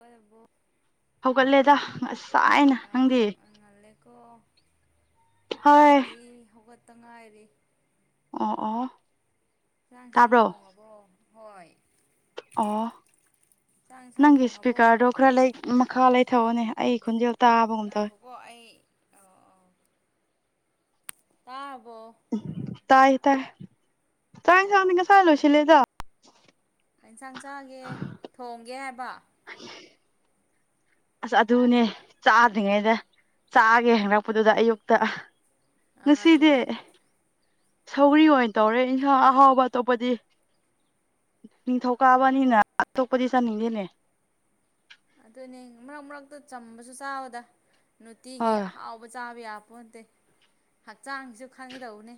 ꯔꯕꯣ ꯍꯧꯒꯠꯂꯦꯗ ꯉꯁꯥꯏꯅ ꯌꯥꯝ ꯅꯪꯗꯤ ꯉꯜꯂꯦꯀꯣ ꯍꯣꯏ ꯑꯩꯈꯣꯏꯗꯤ ꯍꯧꯒꯠꯇ ꯉꯥꯏꯔꯤ ꯑꯣ ꯑꯣ ꯆꯥꯡꯁꯥꯡ ꯇꯥꯕ꯭ꯔꯣ ꯊꯣꯡꯉꯕ꯭ꯔꯣ ꯍꯣꯏ ꯑꯣ ꯆꯥꯛ ꯏꯟꯁꯥꯡ ꯅꯪꯒꯤ ꯊꯣꯡꯉꯕꯣ ꯏꯁꯄꯤꯀꯥ ꯑꯗꯣꯈꯔ ꯂꯩ ꯃꯈꯥ ꯂꯩ ꯊꯑꯣꯅꯦ ꯑꯩ ꯈꯨꯟꯖꯦꯜ ꯉꯥꯏꯈꯣꯀꯣ ꯑꯩ ꯑ ꯇ ꯇꯥꯏ ꯇꯥꯏ ꯇꯥꯏ ꯁꯅꯤ ꯑꯣ ꯀꯁ ꯆꯂꯨ ꯁꯤ ꯂꯩꯦꯗ ꯌꯦꯟꯁꯥꯡ ꯆꯥꯒꯦ ꯊꯣꯡꯒꯦ ꯍꯥꯏꯕ ꯎ ꯑꯁ ꯑꯗꯨꯅꯦ ꯆꯥꯗ꯭ꯔꯤꯉꯩꯗ ꯆꯥꯒꯦ ꯍꯪꯂꯛꯄꯗꯨꯗ ꯑꯌꯨꯛꯇ ꯑꯥ ꯉꯁꯤꯗꯦ ꯑꯗꯨꯅꯦ ꯁꯧꯔꯤ ꯑꯣꯏꯅ ꯇꯧꯔꯦ ꯏꯟꯁꯥꯡ ꯑꯍꯥꯎꯕ ꯑꯇꯣꯞꯄꯗꯤ ꯅꯤꯡꯊꯧꯀꯥꯕꯅꯤꯅ ꯑꯇꯣꯞꯄꯗꯤ ꯆꯥꯅꯤꯡꯗꯦꯅꯦ ꯑꯗꯨꯅꯦ ꯃꯔꯛ ꯃꯔꯛꯇ ꯆꯝꯕꯁꯨ ꯆꯥꯕꯗ ꯅꯨꯡꯇꯤꯒꯤ ꯍꯣꯏ ꯑꯍꯥꯎꯕ ꯆꯥꯕ ꯌꯥꯕ ꯄꯣꯟꯇꯦ ꯍꯛꯆꯥꯡꯁꯨ ꯈꯪꯒꯗꯧꯅꯦ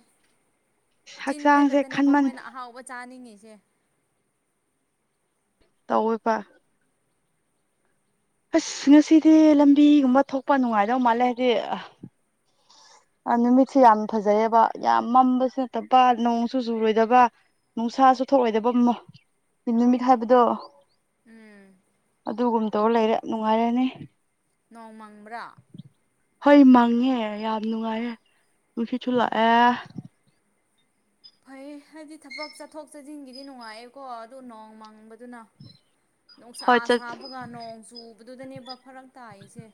ꯆꯤꯟꯗ ꯍꯛꯆꯥꯡꯁꯦ ꯈꯛꯇꯅꯦꯕ ꯈꯟꯃꯟ ꯑꯩꯈꯣꯏꯅ ꯑꯍꯥꯎꯕ ꯆꯥꯅꯤꯡꯉꯤꯁꯦ ꯇꯧꯋꯏꯕ ꯑꯁ ꯉꯁꯤꯗꯤ ꯂꯝꯕꯤꯒꯨꯝꯕ ꯊꯣꯛꯄ ꯅꯨꯡꯉꯥꯏꯗꯧ ꯃꯥꯜꯂꯦ ꯍꯥꯏꯗꯤ ꯑ ꯅꯨꯃꯤꯠꯁꯦ ꯌꯥꯝ ꯐꯖꯩꯔꯦꯕ ꯌꯥꯝ ꯃꯝꯕꯁꯨ ꯅꯠꯇꯕ ꯅꯣꯡꯁꯨ ꯆꯨꯔꯣꯏꯗꯕ ꯅꯨꯡꯁꯥꯁꯨ ꯊꯣꯛꯑꯣꯏꯗꯕ ꯑꯃꯣ ꯅꯨꯃꯤꯠ ꯍꯥꯏꯕꯗꯣ ꯎꯝ ꯑꯗꯨꯒꯨꯝꯇꯧ ꯂꯩꯔꯦ ꯅꯨꯡꯉꯥꯏꯔꯅꯤ ꯅꯣꯡꯃꯪꯕ꯭ꯔꯥ ꯍꯣꯏ ꯃꯪꯉꯦ ꯌꯥꯝ ꯅꯨꯡꯉꯥꯏꯌꯦꯦ ꯑꯣ ꯅꯨꯡꯁꯤꯠꯁꯨꯂꯛꯑꯦ ꯐꯩ ꯍꯥꯏꯗꯤ ꯊꯕꯛ ꯆꯠꯊꯣꯛ ꯆꯠꯁꯤꯟꯒꯤꯗꯤ ꯅꯨꯡꯉꯥꯏꯦꯀꯣ ꯑꯗꯨ ꯅꯣꯡ ꯃꯥꯡꯕꯗ ꯑꯗꯨꯅ ꯅꯨꯡꯁꯥ ꯍꯣꯏ ꯆꯠ ꯁꯥꯕꯒ ꯅꯣꯡ ꯆꯨ ꯑꯗꯨꯗꯨꯗꯅꯦꯕ ꯐꯔꯛ ꯇꯥꯏꯁꯦ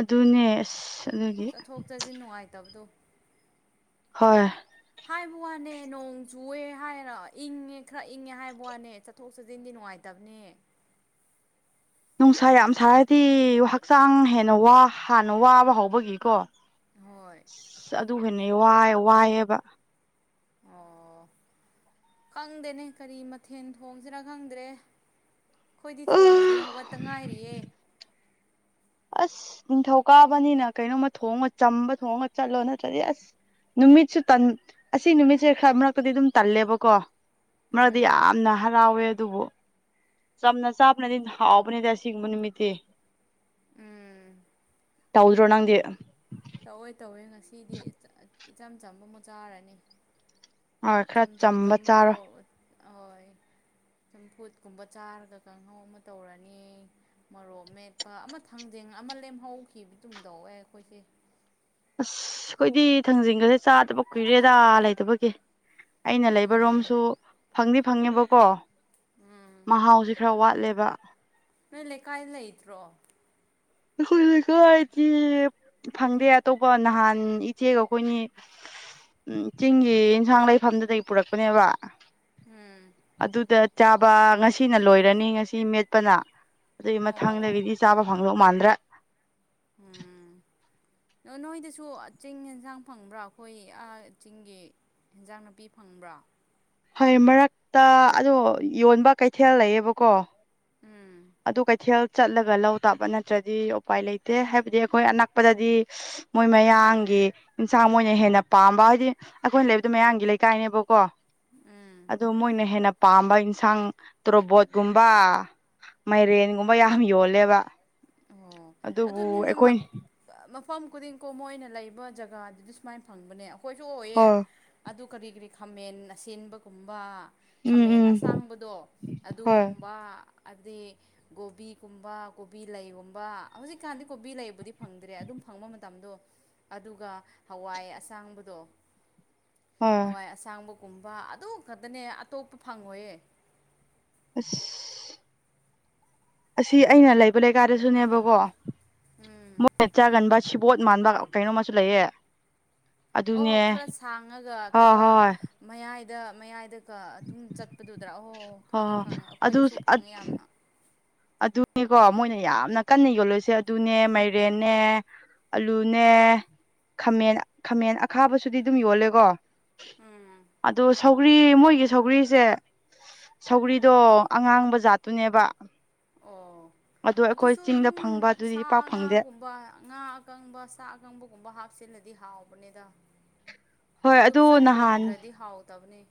ꯑꯗꯨꯅꯦꯁ ꯆꯠꯊꯣꯛ ꯆꯠꯁꯤꯟ ꯅꯨꯡꯉꯥꯏꯇꯕꯗꯣ ꯍꯣꯏ ꯍꯥꯏꯕ ꯋꯥꯅꯦ ꯅꯣꯡ ꯆꯨꯑꯦ ꯍꯥꯏꯔ ꯏꯪꯉꯦ ꯈꯔ ꯏꯪꯉꯦ ꯍꯥꯏꯕ ꯋꯥꯅꯦ ꯆꯠꯊꯣꯛ ꯆꯠꯁꯤꯟꯗꯤ ꯅꯨꯡꯉꯥꯏꯇꯦ ꯇꯕꯅꯤ ꯅꯨꯡꯁꯥ ꯌꯥꯝ ꯁꯥꯔꯗꯤ ꯍꯛꯆꯥꯡ ꯍꯦꯟꯅ ꯍꯥꯟꯅ ꯋꯥꯕ ꯍꯧꯕꯒꯤꯀꯣ ꯍꯣꯏ ꯑꯁ ꯑꯗꯨ ꯍꯅꯏ ꯋꯥꯏꯑꯦꯕ ꯑꯣ ꯈꯪꯗꯦꯅꯦ ꯀꯔꯤ ꯃꯊꯦꯜ ꯊꯣꯡꯁꯤꯔꯥ ꯈꯪꯗ꯭ꯔꯦ ꯑꯩꯈꯣꯏꯗꯤ ꯊꯣꯡꯗ꯭ꯔꯤ ꯍꯧꯒꯠꯇ ꯉꯥꯏꯔꯤꯌꯦ ꯑꯁ ꯅꯤꯡꯊꯧ ꯀꯥꯕꯅꯤꯅ ꯀꯩꯅꯣꯝꯃ ꯊꯣꯡꯉꯒ ꯆꯝꯕ ꯊꯣꯡꯉꯒ ꯆꯠꯂꯣ ꯅꯠꯇ꯭ꯔꯗꯤ ꯑꯁ ꯅꯨꯃꯤꯠꯁꯨ ꯇꯟ ꯑꯁꯤ ꯅꯨꯃꯤꯠꯁꯦ ꯈꯔ ꯃꯔꯛꯇꯗꯤ ꯑꯗꯨꯝ ꯇꯜꯂꯦꯕꯀꯣ ꯃꯔꯗꯤ ꯎꯝ ꯌꯥꯝꯅ ꯍꯔꯥꯎꯋꯦ ꯑꯗꯨꯕꯨ ꯁꯝ ꯅ ꯆꯞꯅꯗꯤ ꯍꯥꯎꯑꯣꯕꯅꯦ ꯇꯁꯤ ꯃ ꯅꯨꯃꯤꯇ ꯎꯝ ꯇꯧꯗ꯭ꯔꯣ ꯅꯪꯗꯤ ꯇꯧꯋꯦ ꯇꯧꯋꯦ ꯉꯁꯤꯗꯤ ꯏꯆꯝ ꯆꯝꯕ ꯑꯃꯨꯛ ꯆꯥꯔꯅꯤ ꯍꯣꯏ ꯈꯔ ꯏꯆꯝ ꯆꯝꯕ ꯑꯃ ꯆꯥꯔꯣꯏ ꯇꯧ ꯍꯣꯏ ꯐꯨꯠ ꯀꯨꯝꯕ ꯆꯥꯔꯒ ꯀꯥꯡꯍꯧ ꯑꯃ ꯇꯧꯔꯅꯤ ꯃꯣꯔꯣꯛ ꯃꯦꯠꯄ ꯑꯃ ꯊꯥꯡꯖꯤꯡ ꯑꯃ ꯂꯩ ꯑꯦꯝ ꯍꯧꯈꯤꯕꯇꯨꯝ ꯇꯧꯋꯦ ꯑꯩꯈꯣꯏꯁꯦ ꯑꯁ ꯑꯩꯈꯣꯏꯗꯤ ꯊꯥꯡꯖꯤꯡꯒꯁꯦ ꯆꯥꯗꯕ ꯀꯨꯏꯔꯦꯗꯥ ꯂꯩꯇꯕꯒꯤ ꯑꯩꯅ ꯂꯩꯕꯔꯣꯝꯁꯨ ꯐꯪꯅꯤ ꯐꯪꯉꯦꯕꯀꯣ ꯎꯝ ꯃꯍꯥꯎꯁꯦ ꯈꯔ ꯋꯥꯠꯂꯦꯕ ꯅꯣꯏ ꯂꯩꯀꯥꯏ ꯂꯩꯇ꯭ꯔꯣ ꯑꯩꯈꯣꯏ ꯂꯩꯀꯥꯏꯇꯤ ꯐꯪꯗꯦ ꯑꯇꯣꯞꯄ ꯅꯍꯥꯟ ꯏꯆꯦꯒ ꯑꯩꯈꯣꯏꯅꯤ ꯎꯝ ꯆꯤꯡꯒꯤ ꯌꯦꯟꯁꯥꯡ ꯂꯩꯐꯝꯗꯨꯗꯩ ꯄꯨꯔꯛꯄꯅꯦꯕ ꯎꯝ ꯑꯗꯨꯗ ꯆꯥꯕ ꯉꯁꯤꯅ ꯂꯣꯏꯔꯅꯤ ꯉꯁꯤ ꯃꯦꯠꯄꯅ ꯑꯗꯨꯏ ꯑꯣ ꯃꯊꯪꯗꯒꯤꯗꯤ ꯆꯥꯕ ꯐꯪꯗꯧ ꯃꯥꯟꯗ꯭ꯔꯦ ꯎꯝ ꯗ ꯅꯣꯏꯗꯁꯨ ꯆꯤꯡ ꯌꯦꯟꯁꯥꯡ ꯐꯪꯕ꯭ꯔꯥ ꯑꯩꯈꯣꯏ ꯑꯥ ꯆꯤꯡꯒꯤ ꯏꯟꯖꯥꯡ ꯅꯥꯄꯤ ꯐꯪꯕ꯭ꯔꯥ ꯍꯣꯏ ꯃꯔꯛꯇ ꯑꯗꯣ ꯌꯣꯟꯕ ꯀꯩꯊꯦꯜ ꯂꯩꯌꯦꯕꯀꯣ ꯎꯝ ꯑꯗꯨ ꯀꯩꯊꯦꯜ ꯆꯠꯂꯒ ꯂꯧ ꯇꯥꯕ ꯅꯠꯇ꯭ꯔꯗꯤ ꯎꯄꯥꯏ ꯂꯩꯇꯦ ꯍꯥꯏꯕꯗꯤ ꯑꯩꯈꯣꯏ ꯑꯅꯛꯄꯗꯗꯤ ꯃꯣꯏ ꯃꯌꯥꯡꯒꯤ ꯌꯦꯟꯁꯥꯡ ꯃꯣꯏꯅ ꯍꯦꯟꯅ ꯄꯥꯝꯕ ꯍꯥꯏꯗꯤ ꯑꯩꯈꯣꯏꯅ ꯂꯩꯕꯗꯣ ꯃꯌꯥꯡꯒꯤ ꯂꯩꯀꯥꯏꯅꯦꯕꯀꯣ ꯑꯗꯨ ꯃꯣꯏꯅ ꯍꯦꯟꯅ ꯄꯥꯝꯕ ꯏꯟꯁꯥꯡ ꯇꯣꯔꯣꯕꯣꯠꯀꯨꯝꯕ ꯃꯥꯏꯔꯦꯟꯒꯨꯝꯕ ꯌꯥꯝ ꯌꯣꯜꯂꯦꯕ ꯑꯣ ꯑꯗꯨꯕꯨ ꯑꯗꯨꯅꯤꯅꯦ ꯑꯩꯈꯣꯏ ꯃꯐꯝ ꯈꯨꯗꯤꯡꯀꯣ ꯃꯣꯏꯅ ꯂꯩꯕ ꯖꯒꯥꯗꯨꯗꯤ ꯁꯨꯃꯥꯏꯅ ꯐꯪꯕꯅꯦ ꯑꯩꯈꯣꯏꯁꯨ ꯑꯣꯏꯌꯦ ꯍꯣꯏ ꯑꯗꯨ ꯀꯔꯤ ꯀꯔꯤ ꯈꯥꯃꯦꯟ ꯑꯁꯤꯟꯕꯒꯨꯝꯕ ꯎꯝ ꯈꯥꯃꯦꯟ ꯎꯝ ꯑꯁꯥꯡꯕꯗꯣ ꯍꯣꯏ ꯑꯗꯨꯒꯨꯝꯕ ꯑꯗꯤ ꯀꯣꯕꯤꯒꯨꯝꯕ ꯀꯣꯕꯤ ꯂꯩꯒꯨꯝꯕ ꯍꯧꯖꯤꯛꯀꯥꯟꯗꯤ ꯀꯣꯕꯤ ꯂꯩꯕꯨ ꯐꯪꯗ꯭ꯔꯦ ꯑꯗꯨꯝ ꯐꯪꯕ ꯃꯇꯝꯗꯣ ꯑꯗꯨꯒ ꯍꯧ ꯋꯥꯏ ꯑꯁꯥꯡꯕꯗꯣ ꯍꯣꯏ ꯍꯋꯥꯏ ꯑꯁꯥꯡꯕꯒꯨꯝꯕ ꯑꯗꯨ ꯈꯛꯇꯅꯦ ꯑꯇꯣꯞꯄ ꯐꯪꯉꯣꯏꯌꯦ ꯑꯁ ꯑꯁꯤ ꯑꯩꯅ ꯂꯩꯕ ꯂꯩꯀꯥꯗꯁꯨꯅꯦꯕꯀꯣ ꯎꯝ ꯃꯣꯏꯅ ꯆꯥꯒꯟꯕ ꯁꯤꯕꯣꯠ ꯃꯥꯟꯕ ꯀꯩꯅꯣꯝꯃꯁꯨ ꯂꯩꯌꯦ ꯑꯣ ꯑꯗꯨꯅꯦ ꯈꯔ ꯁꯥꯡꯉꯒ ꯍꯣꯏ ꯀꯩꯕ ꯍꯣꯏ ꯃꯌꯥꯏꯗ ꯃꯌꯥꯏꯗ ꯀ ꯑꯗꯨꯝ ꯆꯠꯄꯗꯨꯗ꯭ꯔꯥ ꯑꯣꯍ ꯍꯣꯏ ꯍꯣꯏ ꯑꯗꯨ ꯑꯗ ꯑꯗꯨꯅꯤꯀꯣ ꯃꯣꯏꯅ ꯌꯥꯝꯅ ꯀꯟꯅ ꯌꯣꯂꯣꯏꯁꯦ ꯇꯨꯅꯦ ꯃꯥꯏꯔꯦꯟꯅꯦ ꯑꯂꯨꯅꯦ ꯈꯥꯃꯦꯟ ꯈꯥꯃꯦꯟ ꯑꯈꯥꯕꯁꯨꯗꯤ ꯗꯨꯝ ꯌꯣꯜꯂꯦꯀꯣ ꯑꯗꯨ ꯁꯧꯒ꯭ꯔꯤ ꯃꯣꯏꯒꯤ ꯁꯧꯒ꯭ꯔꯤꯁꯦ ꯁꯧꯒꯔꯤꯗꯣ ꯑꯉꯥꯡꯕ ꯖꯥꯠꯇꯨꯅꯦꯕ ꯑꯣ ꯑꯗꯣ ꯑꯩꯈꯣꯏ ꯑꯗꯨꯁꯨ ꯆꯤꯡꯗ ꯑꯗꯨꯝ ꯐꯪꯕ ꯗꯨꯗꯤ ꯁꯥ ꯏꯄꯥꯛ ꯐꯪꯗꯦ ꯉꯥꯒꯨꯝꯕ ꯉꯥ ꯑꯀꯪꯕ ꯁꯥ ꯑꯀꯪꯕꯒꯨꯝꯕ ꯍꯥꯞꯆꯤꯜꯂꯗꯤ ꯍꯥꯎꯕꯅꯤꯗ ꯍꯣꯏ ꯑꯗꯨ ꯐꯖꯅ ꯅꯍꯥꯟ ꯊꯣꯡꯗ꯭ꯔꯗꯤ ꯍꯥꯎꯇꯕꯅꯤ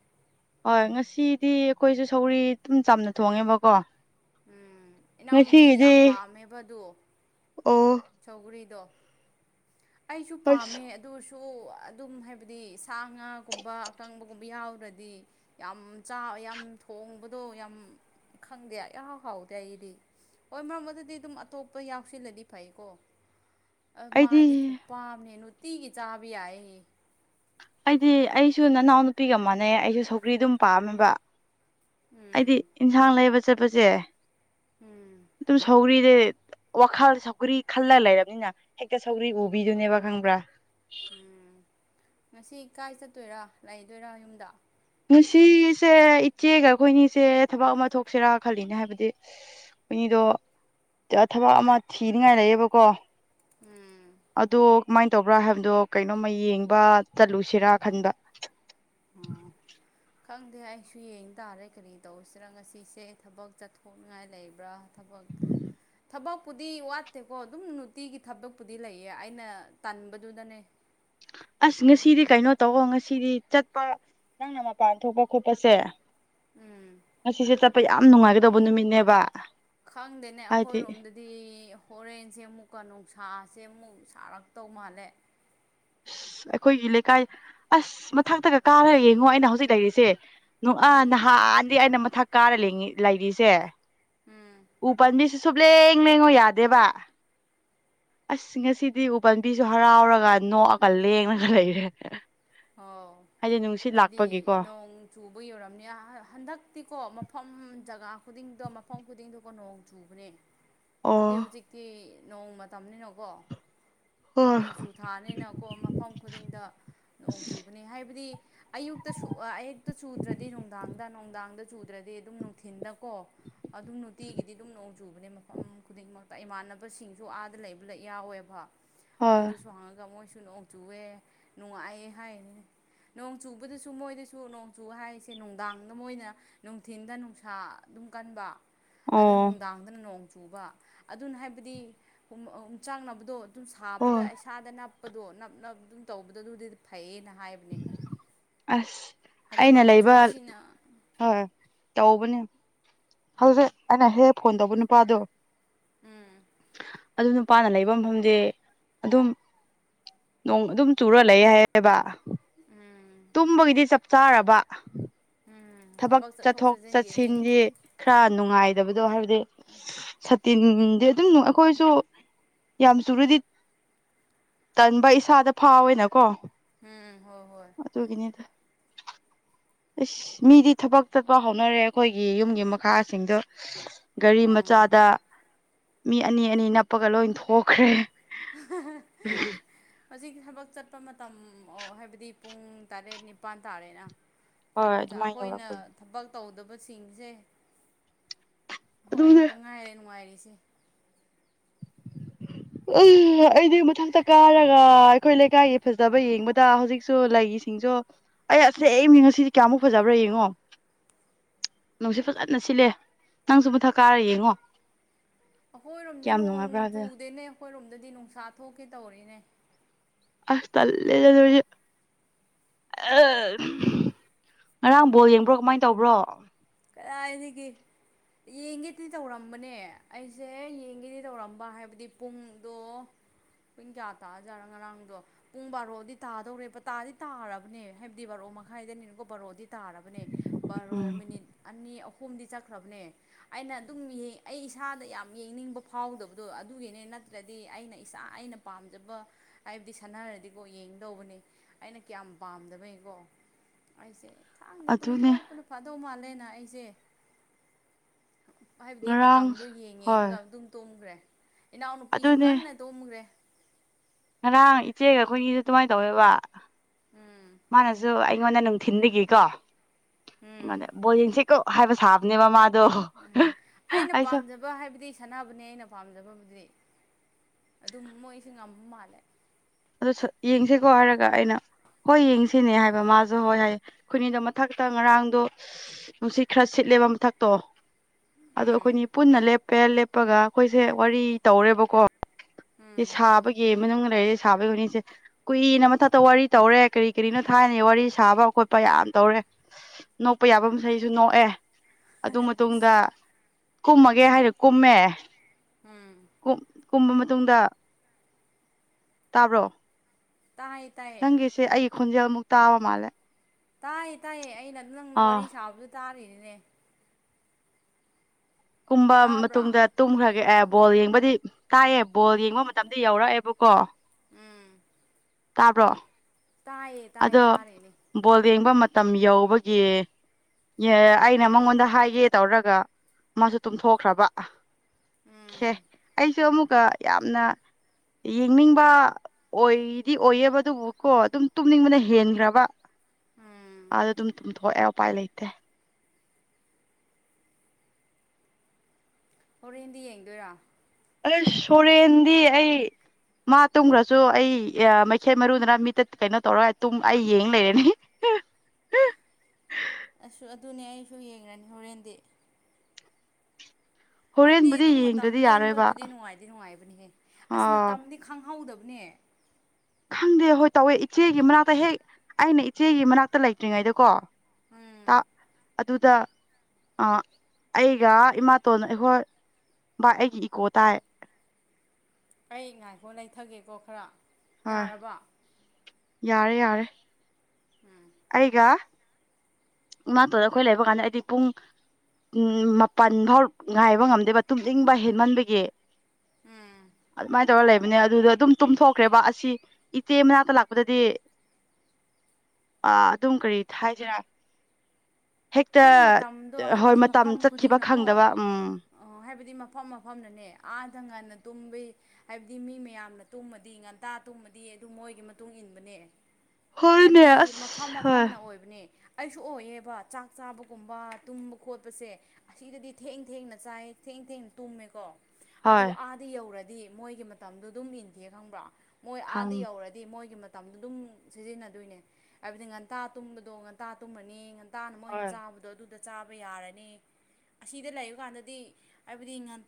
ꯍꯣꯏ ꯉꯁꯤ ꯗꯤ ꯑꯩꯈꯣꯏꯁꯨ ꯁꯧꯔꯤ ꯑꯗꯨꯝ ꯆꯝꯅ ꯊꯣꯡꯉꯦꯕꯀꯣ ꯎꯝ ꯏꯅꯥꯎꯅꯨꯄꯤꯗꯤ ꯉꯁꯤꯒꯤꯗꯤ ꯌꯥꯝ ꯄꯥꯝꯃꯦꯕꯗꯨ ꯑꯣ ꯁꯧꯒꯔꯤꯗꯣ ꯑꯩꯁꯨ ꯑꯁ ꯄꯥꯝꯃꯦ ꯑꯗꯨꯁꯨ ꯑꯗꯨꯝ ꯍꯥꯏꯕꯗꯤ ꯁꯥ ꯉꯥꯒꯨꯝꯕ ꯑꯀꯪꯕꯒꯨꯝꯕ ꯌꯥꯎꯗ꯭ꯔꯗꯤ ꯌꯥꯝ ꯆꯥ ꯌꯥꯝ ꯊꯣꯡꯕꯗꯣ ꯌꯥꯝ ꯈꯪꯗꯦ ꯏꯍꯥꯎ ꯍꯥꯎꯇꯦ ꯑꯩꯗꯤ ꯍꯣꯏ ꯃꯔꯛ ꯃꯔꯛꯇꯗꯤ ꯑꯗꯨꯝ ꯑꯇꯣꯞꯄ ꯌꯥꯎꯁꯤꯜꯂꯗꯤ ꯐꯩꯀꯣ ꯑꯩꯗꯤ ꯃꯥꯗꯤ ꯑ ꯅꯨꯇꯤꯒꯤ ꯆꯥꯕ ꯌꯥꯏꯌꯦ ꯑꯩꯗꯤ ꯑꯩꯁꯨ ꯅꯅꯥꯎ ꯅꯨꯄꯤꯒ ꯃꯥꯟꯅꯩ ꯑꯩꯁꯨ ꯁꯧꯒ꯭ꯔꯤ ꯑꯗꯨꯝ ꯄꯥꯝꯃꯦꯕ ꯑꯩꯗꯤ ꯎꯝ ꯌꯦꯟꯁꯥꯡ ꯂꯩꯕ ꯆꯠꯄꯁꯦ ꯎꯝ ꯑꯗꯨꯝ ꯁꯧꯒꯔꯤ ꯗꯦ ꯋꯥꯈꯜ ꯁꯧꯒ꯭ꯔꯤ ꯈꯜꯂ ꯂꯩꯔꯕꯅꯤꯅ ꯍꯦꯛꯇ ꯁꯧꯒ꯭ꯔꯤ ꯎꯕꯤꯗꯨꯅꯦꯕ ꯈꯪꯕ꯭ꯔꯥ ꯏꯀꯥꯏ ꯆꯠꯇꯣꯏꯔ ꯂꯩꯗꯣꯏꯔ ꯌꯨꯝꯗ ꯉꯁꯦ ꯏꯆꯦꯒ ꯑꯩꯈꯣꯏꯅꯤꯁꯦ ꯊꯕꯛ ꯑꯃ ꯊꯣꯛꯁꯤꯔꯥ ꯈꯜꯂꯤꯅꯦ ꯍꯥꯏꯕꯗꯤ ꯃꯤꯗꯣ ꯊꯕꯛ ꯑꯃ ꯊꯤꯅꯤꯡꯉꯥꯏ ꯂꯩꯌꯦꯕꯀꯣ ꯎꯝ ꯑꯗꯣ ꯀꯃꯥꯏꯅ ꯇꯧꯕ꯭ꯔꯥ ꯍꯥꯏꯕꯗꯣ ꯀꯩꯅꯣꯝꯃ ꯌꯦꯡꯕ ꯆꯠꯂꯨꯁꯤꯔꯥ ꯈꯟꯕ ꯎꯝ ꯈꯪꯗꯦ ꯑꯩꯁꯨ ꯌꯦꯡ ꯇꯥꯔꯦ ꯀꯔꯤ ꯇꯧꯁꯤꯔ ꯉꯁꯤꯁꯦ ꯊꯕꯛ ꯆꯠꯊꯣꯛꯅꯤꯡꯉꯥꯏ ꯂꯩꯕ꯭ꯔꯥ ꯊꯕꯛ ꯑꯣ ꯊꯕꯛꯄꯨꯗꯤ ꯋꯥꯠꯇꯦꯀꯣ ꯑꯗꯨꯝ ꯅꯨꯡꯇꯤꯒꯤ ꯊꯕꯛꯄꯨꯗꯤ ꯂꯩꯌꯦ ꯑꯩꯅ ꯇꯟꯕꯗꯨꯗꯅꯦ ꯑꯁ ꯉꯁꯤꯗꯤ ꯀꯩꯅꯣ ꯇꯧꯋꯣ ꯉꯁꯤꯗꯤ ꯆꯠꯄ ꯅꯪꯅ ꯃꯄꯥꯟ ꯊꯣꯛꯄ ꯈꯣꯠꯄꯁꯦ ꯎꯝ ꯉꯁꯤꯁꯦ ꯆꯠꯄ ꯌꯥꯝ ꯅꯨꯡꯉꯥꯏꯒꯗꯧꯕ ꯅꯨꯃꯤꯠꯅꯦꯕ ꯈꯪꯗꯦꯅꯦ ꯍꯥꯏꯗꯤ ꯑꯩꯈꯣꯏꯔꯣꯝꯗꯗꯤ ꯍꯣꯔꯦꯟꯁꯦ ꯑꯃꯨꯛꯀ ꯅꯨꯡꯁꯤꯠ ꯊꯥꯁꯦ ꯑꯃꯨꯛ ꯁꯥꯔꯛꯇꯧ ꯃꯥꯜꯂꯦ ꯑꯁ ꯑꯩꯈꯣꯏꯒꯤ ꯂꯩꯀꯥꯏ ꯑꯁ ꯃꯊꯛꯇꯒ ꯀꯥꯔꯒ ꯌꯦꯡꯉꯣ ꯑꯩꯅ ꯍꯧꯖꯤꯛ ꯂꯩꯔꯤꯁꯦ ꯅꯨꯡ ꯑꯥ ꯎꯝ ꯅꯍꯥꯟꯗꯤ ꯑꯩꯅ ꯃꯊꯛ ꯀꯥꯔ ꯂꯩꯔꯤꯁꯦ ꯎꯝ ꯎ ꯄꯥꯝꯕꯤꯁꯤ ꯁꯨꯞꯂꯦꯡ ꯂꯦꯡꯉꯣ ꯌꯥꯗꯦꯕ ꯑꯁ ꯉꯁꯤꯗꯤ ꯎ ꯄꯟꯕꯤꯁꯨ ꯍꯔꯥꯎꯔꯒ ꯅꯣꯛꯑꯒ ꯂꯦꯡꯉꯒ ꯂꯩꯔꯦ ꯑꯣꯥꯎ ꯍꯥꯏꯗꯤ ꯅꯨꯡꯁꯤꯠ ꯍꯥꯏꯕꯗꯤ ꯂꯥꯛꯄꯒꯤꯀꯣ ꯅꯣꯡ ꯆꯨꯕ ꯌꯧꯔꯝꯅꯤ ꯍꯟꯗꯛꯇꯤꯀꯣ ꯃꯐꯝ ꯖꯒꯥ ꯈꯨꯗꯤꯡꯗꯣ ꯃꯐꯝ ꯈꯨꯗꯤꯡꯗꯣꯒꯣ ꯅꯣꯡ ꯆꯨꯕꯅꯦ ꯍꯥꯏꯕꯗꯤ ꯑꯣ ꯍꯧꯖꯤꯛꯇꯤ ꯅꯣꯡ ꯃꯇꯝꯅꯤꯅꯀꯣ ꯍꯣꯏ ꯅꯣꯡꯖꯨ ꯊꯥꯅꯤꯅꯀꯣ ꯃꯐꯝ ꯈꯨꯗꯤꯡꯗ ꯅꯣꯡ ꯆꯨꯕꯅꯦ ꯍꯥꯏꯕꯗꯤ ꯑꯌꯨꯛꯇ ꯑꯌꯨꯛꯇ ꯆꯨꯗ꯭ꯔꯗꯤ ꯅꯨꯡꯗꯥꯡꯗ ꯅꯨꯡꯗꯥꯡ ꯥꯡꯗ ꯆꯨꯗ꯭ꯔꯗꯤ ꯑꯗꯨꯝ ꯅꯨꯡꯊꯤꯤꯟꯗꯀꯣ ꯑꯗꯨꯝ ꯅꯨꯡꯇꯤꯒꯤꯗꯤ ꯑꯗꯨꯝ ꯅꯣꯡ ꯆꯨꯕꯅꯦ ꯃꯐꯝ ꯈꯨꯗꯤꯡꯃꯛꯇ ꯏꯃꯥꯟꯅꯕꯁꯤꯡꯁꯨ ꯑꯥꯗ ꯂꯩꯕꯗ ꯌꯥꯎꯋꯦꯕ ꯍꯣꯏ ꯑꯗꯨꯗꯁꯨ ꯍꯪꯉꯒ ꯃꯣꯏꯁꯨ ꯅꯣꯡ ꯆꯨꯑꯦ ꯅꯨꯡꯉꯥꯏꯌꯦꯦ ꯍꯥꯏꯅꯤ ꯅꯣꯡ ꯆꯨꯕꯗꯁꯨ ꯃꯣꯏꯗꯁꯨ ꯅꯣꯡꯆꯨ ꯍꯥꯏꯁꯦ ꯅꯨꯡꯗꯥꯡꯗ ꯃꯣꯏꯅ ꯅꯨꯡꯊꯤꯟꯗ ꯅꯨꯡꯁꯥ ꯑꯗꯨ ꯀꯟꯕ ꯑꯗ ꯑꯣ ꯅꯨꯡꯗꯥꯡꯗꯅ ꯅꯣꯡ ꯆꯨꯕ ꯑꯗꯨꯅ ꯍꯥꯏꯕꯗꯤꯆꯥꯛꯅꯕꯗꯣ ꯑꯗꯨꯝ ꯁꯥꯕꯗ ꯍꯣꯏ ꯏꯁꯥꯗ ꯅꯞꯄꯗꯣ ꯅꯞꯅꯞ ꯑꯗꯨꯝ ꯇꯧꯕꯗꯣ ꯑꯗꯨꯗꯤꯗꯤ ꯐꯩꯌꯦꯅ ꯕꯅꯦ ꯑꯁ ꯑ ꯑꯩꯅ ꯅꯣꯡ ꯂꯩꯕ ꯆꯨꯕꯁꯤꯅ ꯍꯣꯏ ꯇꯧꯕꯅꯦ ꯍꯧꯖꯤꯛ ꯑꯩꯅ ꯍꯦꯛ ꯐꯣꯟ ꯇꯧꯕ ꯅꯨꯄꯥꯗꯣ ꯎꯝ ꯑꯗꯨ ꯅꯨꯄꯥꯅ ꯂꯩꯕ ꯃꯐꯝꯗꯤ ꯑꯗꯨꯝ ꯅꯣꯡ ꯑꯗꯨꯝ ꯆꯨꯔ ꯂꯩ ꯍꯥꯏꯑꯕ ꯇꯨꯝꯕꯒꯤꯗꯤ ꯆꯞ ꯆꯥꯔꯕ ꯊꯕꯛ ꯆꯠꯊꯣꯛ ꯆꯠꯁꯤꯟꯁꯤ ꯈꯔ ꯅꯨꯡꯉꯥꯏ ꯕꯗꯣ ꯍꯥꯏꯕꯗꯤ ꯁꯇꯤꯟꯗꯤ ꯑꯗꯨꯝ ꯑꯩꯈꯣꯏꯁꯨ ꯌꯥꯝ ꯆꯨꯔꯨꯗꯤ ꯇꯟꯕ ꯏꯁꯥꯗ ꯐꯥꯋꯦꯅꯀꯣ ꯎꯝ ꯍꯣꯏ ꯍꯣꯏ ꯑ ꯃꯤꯗꯤ ꯊꯕꯛ ꯆꯠꯄ ꯍꯧꯅꯔꯦ ꯑꯩꯈꯣꯏꯒꯤ ꯌꯨꯝꯒꯤ ꯃꯈꯥꯁꯤꯡꯗꯣ ꯒꯥꯔꯤ ꯎꯝ ꯃꯆꯥꯗ ꯃꯤ ꯑꯅꯤ ꯑꯅꯤ ꯅꯞꯄꯒ ꯂꯣꯏ ꯊꯣꯛꯈ꯭ꯔꯦ [inaudible] o ꯍꯧꯖꯤꯛ ꯊꯕꯛ ꯆꯠꯄ ꯃꯇꯝ ꯍꯥꯏꯕꯗꯤ ꯄꯨꯡ ꯇꯔꯦꯠ ꯅꯤꯄꯥꯟ ꯇꯥꯔꯦꯅ ꯊꯕ ꯍꯣꯏ ꯑꯗꯨꯃꯥꯏꯅ ꯑꯩꯈꯣꯏꯅ ꯌꯧꯔꯛꯄꯒꯤ ꯊꯕꯛ ꯇꯧꯗꯕꯁꯤꯡꯁꯦ ꯍꯣꯏ ꯑꯩ ꯑꯗꯨꯅꯦ ꯈꯇ ꯉꯥꯏꯔꯦ ꯅꯨꯡꯉꯥꯏꯔꯤꯁꯦ ꯎꯝ ꯎꯝ ꯑꯩꯗꯤ ꯃꯊꯛꯇ ꯀꯥꯔꯒ ꯑꯩꯈꯣꯏ ꯂꯩꯀꯥꯏꯒꯤ ꯐꯖꯕ ꯌꯦꯡꯕꯗ ꯍꯧꯖꯤꯛꯁꯨ ꯂꯩꯁꯤꯡꯁꯨ ꯑꯗꯣ ꯑꯩ ꯑꯁ ꯑꯅꯦ ꯉꯁꯤꯗꯤ ꯀꯌꯥꯃꯨꯛ ꯐꯖꯕ꯭ꯔꯥ ꯌꯦꯡꯉꯣ [unintelligible] ꯅꯪꯁ ꯐꯖꯅ ꯁꯤꯜꯂꯦ ꯅꯪꯁꯨ ꯃꯨꯊꯛ ꯀꯥꯔ ꯌꯦꯡꯉꯣ ꯑꯩꯈꯣꯏꯔꯣꯝꯗ ꯀꯌꯥꯝ ꯅꯣꯡ ꯅꯨꯡꯉꯥꯏꯕ꯭ꯔꯥ ꯍꯥꯏꯕꯗꯣ ꯆꯨꯗꯦꯅꯦ ꯑꯩꯈꯣꯏꯔꯣꯝꯗꯗꯤ ꯅꯨꯡꯁꯥ ꯊꯣꯛꯀꯦ ꯇꯧꯔꯤꯅꯦ ꯑꯁ ꯇꯂꯦ ꯉꯔꯥꯡ ꯕꯣꯜ ꯌꯦꯡꯕ꯭ꯔꯣ ꯀꯃꯥꯏꯅ ꯇꯧꯕ꯭ꯔꯣ ꯏꯅꯤꯒꯤ ꯌꯦꯡꯒꯦꯗꯤ ꯇꯧꯔꯝꯕꯅꯦ ꯑꯩꯁꯦ ꯌꯦꯡꯒꯦꯗꯤ ꯇꯧꯔꯝꯕ ꯍꯥꯏꯕꯗꯤ ꯄꯨꯡꯗꯣ ꯄꯨꯡ ꯀꯌꯥ ꯇꯥꯖꯥꯔ ꯉꯔꯥꯡꯗꯣ ꯄꯨꯡ ꯕꯥꯔꯣꯗꯤ ꯇꯥꯗꯧꯔꯦ ꯇꯥꯗꯤ ꯇꯥꯔꯕꯅꯦ ꯍꯥꯏꯕꯗꯤ ꯕꯥꯔꯣ ꯄꯨꯡ ꯃꯈꯥꯏꯗꯅꯤꯅꯀꯣ ꯕꯥꯔꯣꯗꯤ ꯇꯥꯔꯕꯅꯦ ꯕꯥꯔꯣ ꯎꯝ ꯃꯤꯅꯤꯠ ꯑꯅꯤ ꯑꯍꯨꯝꯗꯤ ꯆꯠꯈ꯭ꯔꯕꯅꯦ ꯑꯩꯅ ꯑꯗꯨꯝ ꯑꯩ ꯏꯁꯥꯗ ꯌꯥꯝ ꯌꯦꯡꯅꯤꯡꯕ ꯐꯥꯎꯗꯕꯗꯣ ꯑꯗꯨ ꯒꯤꯅꯦ ꯅꯠꯇ꯭ꯔꯗꯤ ꯑꯩꯅ ꯏꯁꯥ ꯑꯩꯅ ꯄꯥꯝꯖꯕ ꯍꯥꯏꯕꯗꯤ ꯁꯥꯟꯅꯔꯗꯤꯀꯣ ꯌꯦꯡꯗꯧꯕꯅꯦ ꯑꯩꯅ ꯀꯌꯥꯝ ꯄꯥꯝꯗꯕꯅꯤꯀꯣ ꯑꯩꯁꯦ ꯊꯥꯡꯗ ꯑꯗꯨꯅꯦ ꯇꯨꯝꯊꯣꯛꯄꯅ ꯐꯥꯗꯧ ꯃꯥꯜꯂꯦꯅ ꯑꯩꯁꯦ ꯍꯥꯏꯕꯗꯤ ꯉꯔꯥꯡ ꯃꯇꯝꯗꯣ ꯍꯣꯏ ꯌꯦꯡꯔꯒ ꯑꯗꯨꯝ ꯇꯨꯝꯈ꯭ꯔꯦ ꯏꯅꯥꯎꯅꯨꯄꯤꯁꯨ ꯑꯗꯨꯅꯦ ꯀꯟꯅ ꯇꯣꯝꯃꯈ꯭ꯔꯦ ꯉꯔꯥꯡ ꯏꯆꯦꯒ ꯑꯩꯈꯣꯏꯒꯤꯁꯨ ꯑꯗꯨꯃꯥꯏꯅ ꯇꯧꯋꯦꯕ ꯎꯝ ꯃꯥꯅꯁꯨ ꯑꯩ ꯑꯩꯉꯣꯟꯗ ꯅꯨꯡꯊꯤꯟꯗꯒꯤꯀꯣ ꯎꯝ ꯑꯩꯉꯣꯟꯗ ꯕꯣꯔꯦꯟꯁꯦ ꯀꯣꯛ ꯍꯥꯏꯕ ꯁꯥꯕꯅꯦꯕ ꯃꯥ ꯎꯝ ꯑꯩꯅ ꯄꯥꯝꯖꯕ ꯍꯥꯏꯕꯗꯤ ꯁꯥꯟꯅꯕꯅꯤ ꯑꯩꯅ ꯄꯥꯝꯖꯕꯕꯨꯗꯤ ꯑꯗꯨꯝ ꯃꯣꯏꯁꯤ ꯉꯝ ꯃꯥꯜꯂꯦ ꯑꯗꯣ ꯌꯦꯡꯁꯤꯀꯣ ꯍꯥꯏꯔꯒ ꯑꯩꯅ ꯍꯣꯏ ꯌꯦꯡꯁꯤꯅꯦ ꯍꯥꯏꯕ ꯃꯥꯁꯨ ꯍꯣꯏ ꯍꯥꯏꯌꯦ ꯈꯨꯅꯤꯗ ꯃꯊꯛꯇ ꯉꯔꯥꯡꯗꯣ ꯅꯨꯡꯁꯤꯠ ꯈꯔ ꯁꯤꯠ ꯂꯩꯕ ꯃꯊꯛꯇꯣ ꯑꯗꯣ ꯎꯝ ꯑꯩꯈꯣꯏꯅꯤ ꯄꯨꯟꯅ ꯂꯦꯞꯄꯦ ꯂꯦꯞꯄꯒ ꯑꯩꯈꯣꯏꯁꯦ ꯋꯥꯔꯤ ꯇꯧꯔꯦꯕꯀꯣ ꯁꯤ ꯎꯝ ꯁꯥꯕꯒꯤ ꯃꯅꯨꯡꯗ ꯂꯩꯔꯁꯦ ꯁꯥꯕꯒꯤ ꯍꯧꯅꯤꯁꯦ ꯀꯨꯏꯅ ꯃꯊꯛꯇ ꯋꯥꯔꯤ ꯇꯧꯔꯦ ꯀꯔꯤ ꯀꯔꯤꯅꯣ ꯊꯥꯏꯅ ꯋꯥꯔꯤ ꯁꯥꯕ ꯈꯣꯠꯄ ꯌꯥꯝ ꯇꯧꯔꯦ ꯅꯣꯛꯄ ꯌꯥꯕ ꯃꯈꯩꯁꯨ ꯅꯣꯛꯑꯦ ꯑꯗꯨ ꯃꯇꯨꯡꯗ ꯀꯨꯝꯃꯒꯦ ꯍꯥꯏꯔ ꯀꯨꯝꯃꯦ ꯎꯝ ꯀꯨꯝꯕ ꯃꯇꯨꯡꯗ ꯇꯥꯕ꯭ꯔꯣ ꯇꯥꯏꯌꯦ ꯇꯥꯏꯌꯦ ꯈꯣꯟꯟꯖꯃꯨꯛꯇ ꯑꯋꯥ ꯃꯥꯂꯦ ꯇꯥꯏꯌꯦ ꯇꯥꯏꯌꯦ ꯑꯩꯅ ꯑꯗꯨꯝ ꯅꯪ ꯋꯥꯔꯤ ꯁꯥꯕꯗꯨ ꯇꯥꯔꯤꯔꯤꯅꯦ ꯀꯨꯝꯕ ꯇꯥꯕ꯭ꯔꯥ ꯃꯇꯨꯡꯗ ꯇꯨꯝꯈ꯭ꯔꯒꯦ ꯑꯣ ꯑꯣ ꯕꯣꯜ ꯑꯣ ꯌꯦꯡꯕꯗꯤ ꯀꯥꯏꯌꯦ ꯕꯣꯜ ꯌꯦꯡꯕ ꯃꯇꯝꯗ ꯌꯧꯔꯛꯑꯦꯕꯀꯣ ꯎꯝ ꯇꯥꯕ꯭ꯔꯣ ꯇꯥꯏꯌꯦ ꯑꯗꯣ ꯇꯥꯏꯌꯦ ꯇꯥꯔꯤꯅꯦ ꯕꯣꯜ ꯌꯦꯡꯕ ꯃꯇꯝ ꯌꯧꯕꯒꯤ ꯑꯦ ꯑꯩꯅ ꯃꯉꯣꯟꯗ ꯍꯥꯏꯒꯦ ꯇꯧꯔꯒ ꯃꯥꯁꯨ ꯇꯨꯝꯊꯣꯛꯈ꯭ꯔꯕ ꯎꯝ ꯦ ꯑꯩꯁꯨ ꯑꯃꯨꯛ ꯑꯗꯨꯒ ꯌꯥꯝꯅ ꯌꯦꯡꯅꯤꯡꯕ ꯑꯣꯏꯗꯤ ꯑꯣꯏꯌꯦꯕ ꯑꯗꯨꯕꯨꯀꯣ ꯑꯗꯨꯝ ꯇꯨꯝꯅꯤꯡꯕꯅ ꯍꯦꯟꯈ꯭ꯔꯕ ꯎꯝ ꯑꯥꯗ ꯑꯗꯨꯝ ꯇꯨꯝꯊꯣꯛꯑꯦ ꯎꯄꯥꯏ ꯂꯩꯇꯦ ꯍꯣꯔꯦꯟꯗꯤ ꯌꯦꯡꯗꯣꯏꯔꯥ ꯑ ꯁꯣꯔꯦꯟꯗꯤ ꯑꯩ ꯃꯥ ꯇꯨꯝꯈ꯭ꯔꯁꯨ ꯑꯩ ꯃꯩꯈꯦꯜꯠ ꯃꯔꯨꯗꯅ ꯃꯤꯇ ꯀꯩꯅꯣ ꯇꯧꯔꯒ ꯑꯩ ꯌꯦꯡ ꯂꯩꯔꯅꯤ ꯑꯁ ꯑꯗꯨꯅꯦ ꯑꯩꯁꯨ ꯌꯦꯡꯉꯅꯤ ꯍꯣꯔꯦꯟꯗꯤ ꯍꯥꯏꯕꯗꯤ ꯍꯣꯔꯦꯟꯕꯨꯗꯤ ꯑꯗꯨꯝ ꯃꯇꯝ ꯌꯦꯡꯗ꯭ꯔꯗꯤ ꯌꯥꯔꯣꯏꯕ ꯂꯦꯟꯕꯕꯨꯗꯤ ꯅꯨꯡꯉꯥꯏꯗꯤ ꯅꯨꯡꯉꯥꯏꯕꯅꯤꯍꯦ ꯑꯁ ꯑꯥ ꯃꯇꯝꯗꯤ ꯈꯪꯍꯧꯗꯕ ꯄꯨꯅꯦ ꯈꯪꯗꯦ ꯍꯣꯏ ꯇꯧꯋꯦ ꯏꯆꯦꯒꯤ ꯃꯅꯥꯛꯇ ꯍꯦꯛ ꯑꯩꯅ ꯏꯆꯦꯒꯤ ꯃꯅꯥꯛꯇ ꯂꯩꯇ꯭ꯔꯤꯉꯩꯗꯀꯣ ꯎꯝ ꯑꯗꯨꯗ ꯑ ꯑꯩꯒ ꯏꯃꯥꯇꯣꯟ ꯑꯩ ꯍꯣꯏ ꯑꯩꯒꯤ ꯏꯀꯣ ꯇꯥꯏ ꯑꯩ ꯉꯥꯏꯈꯥꯎ ꯂꯩꯊꯒꯦꯀꯣ ꯈꯔ ꯍꯣꯏ ꯌꯥꯔꯕ ꯌꯥꯔꯦ ꯌꯥꯔꯦ ꯎꯝ ꯑꯩꯒ ꯃꯥꯇꯣꯗ ꯑꯩꯈꯣꯏ ꯂꯩꯕ ꯀꯥꯟꯗ ꯑꯩꯗꯤ ꯄꯨꯡ ꯎꯝ ꯃꯥꯄꯜ ꯐꯥꯎ ꯉꯥꯏꯕ ꯉꯝꯗꯦꯕ ꯇꯨꯝꯅꯤꯡꯕ ꯍꯦꯟꯃꯟꯕꯒꯤ ꯎꯝ ꯑꯗꯨ ꯃꯥ ꯇꯧꯔ ꯂꯩꯕꯅꯦ ꯑꯗꯨꯗ ꯑꯗꯨꯝ ꯇꯨꯝꯊꯣꯛꯈ꯭ꯔꯦꯕ ꯑꯁꯤ ꯏꯆꯦ ꯃꯅꯥꯛꯇ ꯂꯥꯛꯄꯗꯗꯤ ꯑ ꯑꯗꯨꯝ ꯀꯔꯤ ꯊꯁꯤꯔ ꯍꯦꯛꯇ ꯑꯗꯨꯝ ꯃꯇꯝꯗꯣ ꯍꯣꯏ ꯍꯥꯏꯕꯗꯤ ꯃꯇꯝ ꯃꯐꯝ ꯆꯠꯈꯤꯕ ꯈꯨꯗꯤꯡꯅꯀꯣ ꯈꯪꯗꯕ ꯎꯝ ꯑꯣ ꯍꯥꯏꯕꯗꯤ ꯃꯐꯝ ꯃꯐꯝꯅꯅꯦ ꯑꯥꯗ ꯉꯥꯟꯗ ꯇꯨꯝꯕꯤ ꯍꯥꯏꯕꯗꯤ ꯃꯤ ꯃꯌꯥꯝꯅ ꯇꯨꯝꯃꯗꯤ ꯉꯟꯇꯥ ꯇꯨꯝꯃꯗꯤ ꯑꯗꯨ ꯃꯣꯏꯒꯤ ꯃꯇꯨꯡ ꯏꯟꯕꯅꯦ ꯍꯣꯏꯅꯦ ꯍꯥꯏꯕꯗꯤ ꯃꯐꯝ ꯑꯁ ꯍꯣꯏ ꯃꯐꯝꯅ ꯑꯣꯏꯕꯅꯦ ꯑꯩꯁꯨ ꯑꯣꯏꯌꯦꯕ ꯆꯥꯛ ꯆꯥꯕꯒꯨꯝꯕ ꯇꯨꯝꯕ ꯈꯣꯠꯄꯁꯦ ꯑꯁꯤꯗꯗꯤ ꯊꯦꯡ ꯊꯦꯡꯅ ꯆꯥꯏ ꯊꯦꯡ ꯊꯦꯡꯅ ꯇꯨꯝꯃꯦꯀꯣ ꯑꯗꯨꯒ ꯍꯣꯏ ꯑꯥꯗꯤ ꯌꯧꯔꯗꯤ ꯃꯣꯏꯒꯤ ꯃꯇꯝꯗꯣ ꯑꯗꯨꯝ ꯏꯟꯒꯦ ꯈꯪꯕ꯭ꯔꯥ ꯃꯣꯏ ꯈꯪ ꯑꯥꯗ ꯌꯧꯔꯗꯤ ꯃꯣꯏꯒꯤ ꯃꯇꯝꯗ ꯑꯗꯨꯝ ꯁꯤꯖꯤꯟꯅꯗꯣꯏꯅꯦ ꯍꯥꯏꯕꯗꯤ ꯉꯟꯇꯥ ꯇꯨꯝꯕꯗꯣ ꯉꯟꯇꯥ ꯇꯨꯝꯃꯅꯤ ꯉꯟꯇꯥꯅ ꯃꯣꯏꯅ ꯍꯣꯏ ꯆꯥꯕꯗꯣ ꯑꯗꯨꯗ ꯆꯥꯕ ꯌꯥꯔꯅꯤ ꯑꯁꯤꯗ ꯂꯩꯕ ꯀꯥꯟꯗꯗꯤ ꯍꯥꯏꯕꯗꯤ